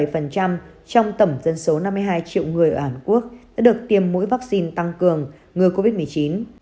tương đương sáu mươi một bảy trong tổng dân số năm mươi hai triệu người ở hàn quốc đã được tiêm mũi vaccine tăng cường ngừa covid một mươi chín